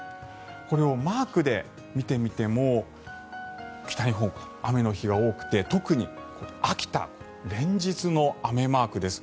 これをマークで見てみても北日本、雨の日が多くて特に秋田、連日の雨マークです。